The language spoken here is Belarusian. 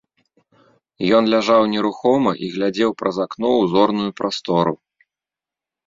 Ён ляжаў нерухома і глядзеў праз акно ў зорную прастору.